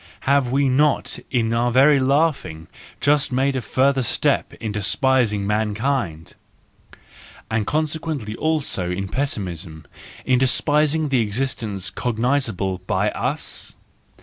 Have we not in our very laugh¬ ing just made a further step in despising mankind? And consequently also in Pessimism, in despising the existence cognisable by us?